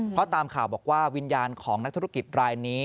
เพราะตามข่าวบอกว่าวิญญาณของนักธุรกิจรายนี้